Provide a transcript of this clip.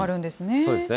そうですね。